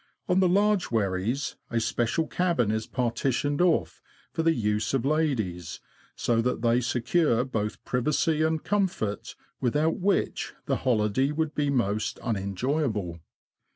On the large wherries, a special cabin is partitioned off for the use of ladies, so that they secure both privacy and comfort, without which the hoHday would be most unenjoyable.